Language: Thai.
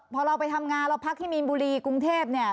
พอเราไปทำงานเราพักที่มีนบุรีกรุงเทพเนี่ย